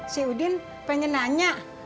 si udin pengen nanya